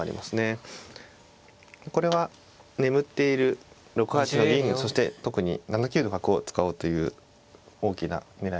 これは眠っている６八の銀をそして特に７九の角を使おうという大きな狙いも一目秘めていますね。